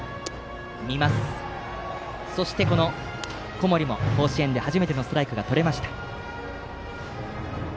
そして、小森も甲子園で初めてのストライクがとれました。